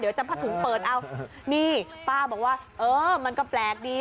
จะผ้าถุงเปิดเอานี่ป้าบอกว่าเออมันก็แปลกดี